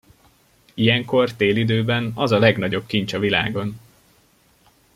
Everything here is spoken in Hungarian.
Ilyenkor, télidőben, az a legnagyobb kincs a világon!